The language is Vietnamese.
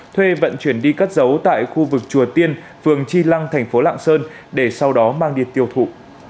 thuê vận chuyển đi cất giấu tại khu vực chùa tiên phường chi lăng thành phố lạng sơn để sau đó mang đi tiêu thụ